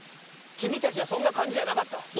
君たちはそんな感じじゃなかった。